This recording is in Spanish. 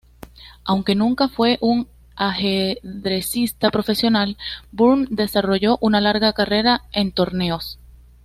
Aunque nunca fue un ajedrecista profesional, Burn desarrolló una larga carrera en torneos.